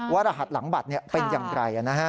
ว่ารหัสหลังบัตรเป็นอย่างไกลนะฮะ